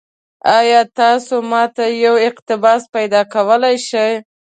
ایا تاسو ما ته یو اقتباس پیدا کولی شئ؟